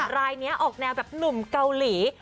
รายนี้ออกแนวแบบหนุ่มเกาหลี